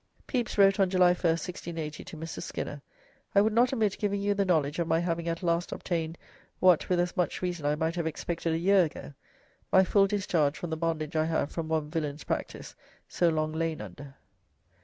Pepys wrote on July 1st, 1680, to Mrs. Skinner: "I would not omit giving you the knowledge of my having at last obtained what with as much reason I might have expected a year ago, my full discharge from the bondage I have, from one villain's practice, so long lain under."